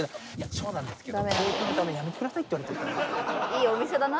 そうなんですけど。